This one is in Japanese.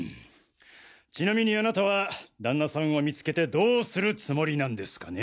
ちなみにあなたは旦那さんを見つけてどうするつもりなんですかね？